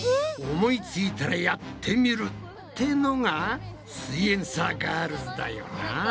思いついたらやってみる！ってのがすイエんサーガールズだよな。